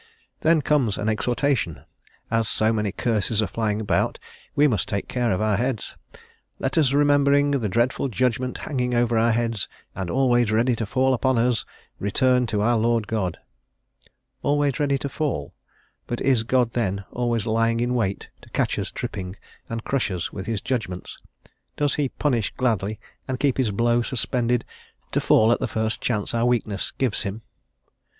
Then comes an exhortation; as so many curses are flying about we must take care of our heads: "Let us, remembering the dreadful judgment hanging over our heads, and always ready to fall upon us, return to our Lord God." Always ready to fall; but is God, then, always lying in wait to catch us tripping, and crush us with his judgments? Does he punish gladly, and keep his blow suspended, to fall at the first chance our weakness gives him?